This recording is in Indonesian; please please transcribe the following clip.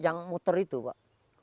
yang muter itu pak